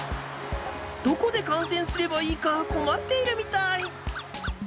どこでかんせんすればいいかこまっているみたい。